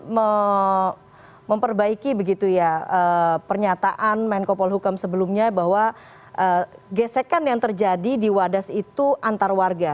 kita memperbaiki begitu ya pernyataan menko polhukam sebelumnya bahwa gesekan yang terjadi di wadas itu antar warga